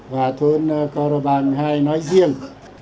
và thôn con rờ bàng hai nói riêng